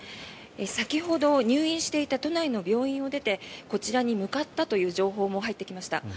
先ほど入院していた都内の病院を出てこちらに向かったという情報も入ってきました。